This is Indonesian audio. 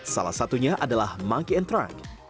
salah satunya adalah monkey and track